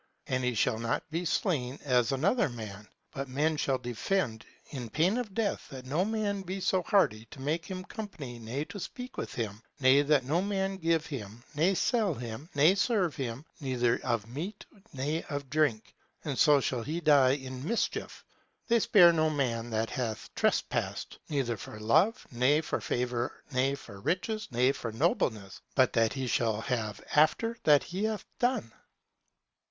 But he shall not be slain as another man; but men shall defend, in pain of death, that no man be so hardy to make him company ne to speak with him, ne that no man give him, ne sell him, ne serve him, neither of meat ne of drink; and so shall he die in mischief. They spare no man that hath trespassed, neither for love, ne for favour ne for riches, ne for noblesse; but that he shall have after that he hath done.